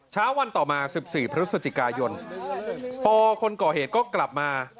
เช้าวันต่อมา๑๔พฤศจิกายนปคนก่อเหตุก็กลับมา